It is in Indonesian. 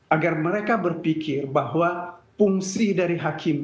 agar mereka berpikir bahwa fungsi dari hakim